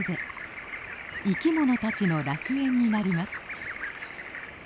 生き物たちの楽園になります。